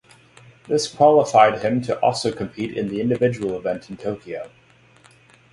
This qualified him to also compete in the individual event in Tokyo.